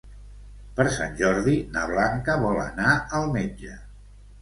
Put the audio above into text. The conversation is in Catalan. Per Sant Jordi na Blanca vol anar al metge.